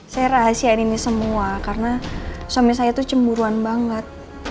saya rahasiain ini semua karena suami saya tuh cemburuan banget